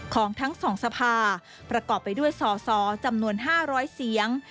ของทั้ง๒สภาประกอบไปด้วยสอสอจำนวน๕๐๐เสียง